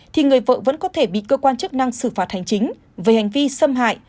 thì người vợ vẫn có thể bị cơ quan chức năng xử phạt hành chính về hành vi xâm hại